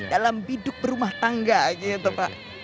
dalam biduk berumah tangga gitu pak